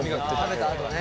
食べたあとね。